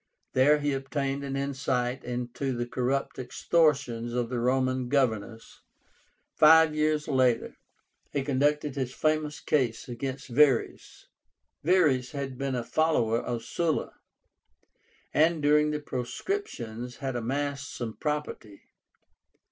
There he obtained an insight into the corrupt extortions of the Roman governors. Five years later, he conducted his famous case against Verres. VERRES had been a follower of Sulla, and during the proscriptions had amassed some property.